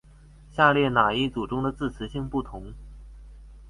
下列那一組中的字詞性不同？